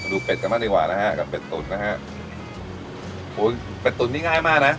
ดูเป็ดกันบ้างดีกว่านะฮะกับเป็ดตุ๋นนะฮะโหเป็ดตุ๋นนี่ง่ายมากนะ